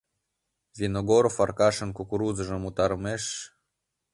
Виногоров Аркашын кукурузыжым утарымеш...